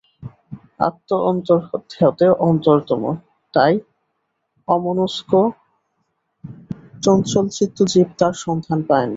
আত্মা অন্তর হতে অন্তরতম, তাই অমনস্ক চঞ্চলচিত্ত জীব তাঁর সন্ধান পায় না।